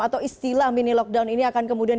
atau istilah mini lockdown ini akan kemudian